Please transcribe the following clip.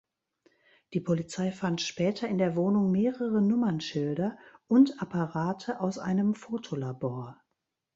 Die Polizei fand später in der Wohnung mehrere Nummernschilder und Apparate aus einem Fotolabor.